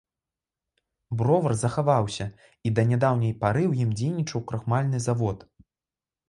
Бровар захаваўся, і да нядаўняй пары ў ім дзейнічаў крухмальны завод.